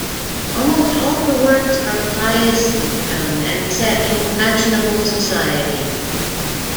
Almost all her works are pious in tone and set in fashionable society.